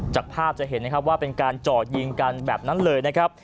จากภาพจะเห็นนะครับว่าเป็นการเจาะยิงกันแบบนั้นเลยนะครับ